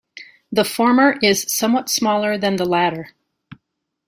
The former is somewhat smaller than the latter.